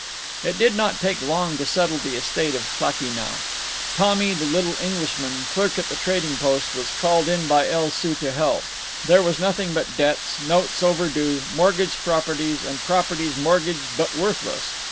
It did not take long to settle the estate of Klakee Nah. Tommy, the little Englishman, clerk at the trading post, was called in by El Soo to help. There was nothing but debts, notes overdue, mortgaged properties, and properties mortgaged but worthless.